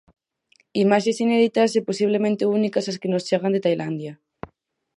Imaxes inéditas e posiblemente únicas as que nos chegan de Tailandia.